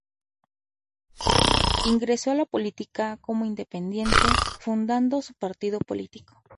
Ingresó a la política como independiente fundando su partido político.